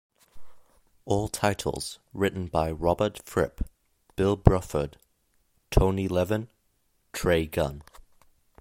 All titles written by Robert Fripp, Bill Bruford, Tony Levin, Trey Gunn.